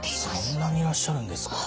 そんなにいらっしゃるんですか。